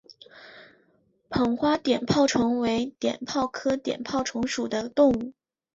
棒花碘泡虫为碘泡科碘泡虫属的动物。